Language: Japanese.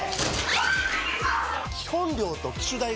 基本料と機種代が